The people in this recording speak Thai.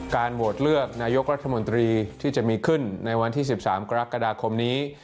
โหวตเลือกนายกรัฐมนตรีที่จะมีขึ้นในวันที่๑๓กรกฎาคมนี้